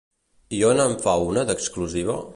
I on en fa una d'exclusiva?